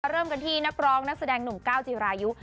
เริ่มกันที่นักร้องนักแสดงหนุ่มก้าวจีรายุ